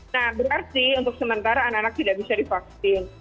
nah berarti untuk sementara anak anak tidak bisa divaksin